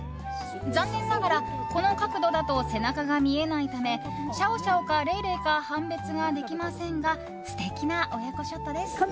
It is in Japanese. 残念ながら、この角度だと背中が見えないためシャオシャオかレイレイか判別ができませんが素敵な親子ショットです。